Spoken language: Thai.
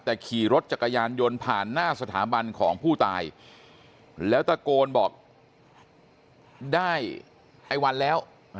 แต่ขี่รถจักรยานยนต์ผ่านหน้าสถาบันของผู้ตายแล้วตะโกนบอกได้ไอ้วันแล้ว